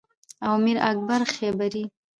او میر اکبر خیبری